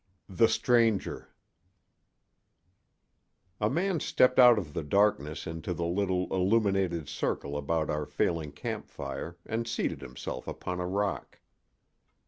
THE STRANGER A MAN stepped out of the darkness into the little illuminated circle about our failing campfire and seated himself upon a rock.